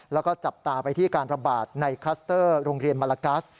แล้วก็จับตาไปที่การระบาดในคลัสเตอร์โรงเรียนมาลากัส